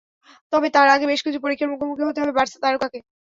তবে তার আগে বেশ কিছু পরীক্ষার মুখোমুখি হতে হবে বার্সা তারকাকে।